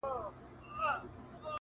خوار سو د ټره ونه لوېدئ.